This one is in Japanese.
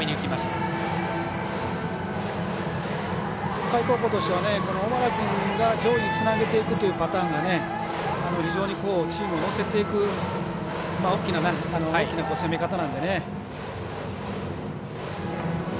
北海高校としては小原君が上位につなげていくというパターンが非常にチームを乗せていく大きな攻め方なので。